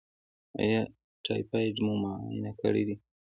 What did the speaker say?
ایا ټایفایډ مو معاینه کړی دی؟